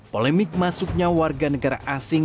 polemik masuknya warga negara asing